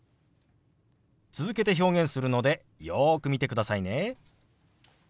続けて表現するのでよく見てくださいね。